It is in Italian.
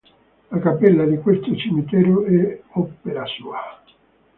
La cappella di questo cimitero è opera sua.